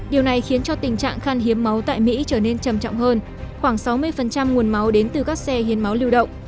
điều này khiến cho tình trạng khan hiếm máu tại mỹ trở nên trầm trọng hơn khoảng sáu mươi nguồn máu đến từ các xe hiến máu lưu động